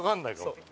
そう。